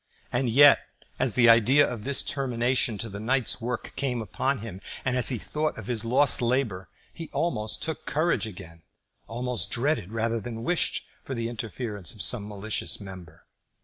And yet, as the idea of this termination to the night's work came upon him, and as he thought of his lost labour, he almost took courage again, almost dreaded rather than wished for the interference of some malicious member.